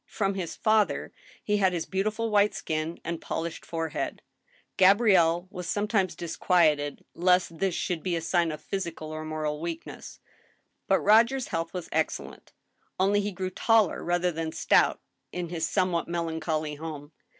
From his father he had his beautiful white skin and polished forehead. Gabrielle was sometimes disquieted lest this should be a sign of physical or moral weakness. But Roger's health was excellent. Only he grew tall rather than stout in his somewhat melancholy home.